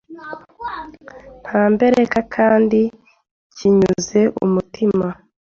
ntambereka kandi kinyuze umutima.